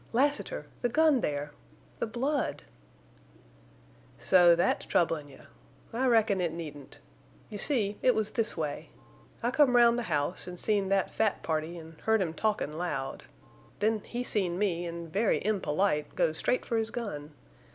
"Lassiter!... the gun there!... the blood!" "So that's troublin' you. I reckon it needn't. You see it was this way. I come round the house an' seen that fat party an' heard him talkin' loud. Then he seen me, an' very impolite goes straight for his gun.